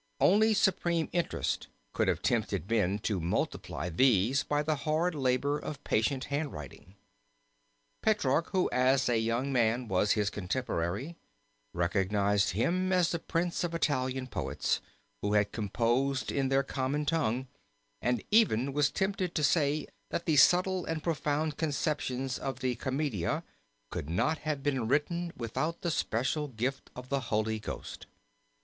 Only supreme interest could have tempted men to multiply these by the hard labor of patient handwriting. Petrarch who as a young man, was his contemporary, recognized him as the Prince of Italian poets who had composed in their common tongue, and even was tempted to say that the subtle and profound conceptions of the Commedia could not have been written without the special gift of the Holy Ghost.